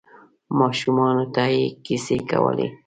ماشومانو ته یې کیسې کولې.